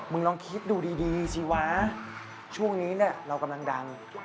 ลองคิดดูดีสิวะช่วงนี้เนี่ยเรากำลังดัง